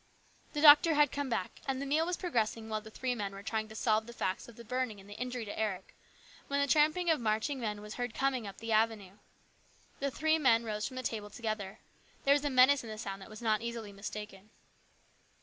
The doctor had come back, and the meal was progressing while the three men were trying to solve the facts of the burning and the injury to Eric, when a tramp of marching men was heard coming up the avenue. The three men rose from the table together. There was a menace in the sound that was not easily mistaken.